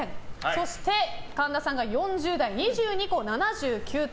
そして神田さんが４０代、２２個、７９点。